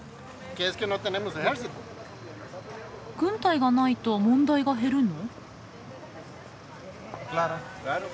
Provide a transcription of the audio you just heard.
軍隊がないと問題が減るの？